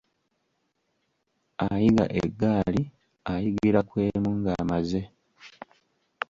Ayiga eggaali ayigira ku emu ng'amaze.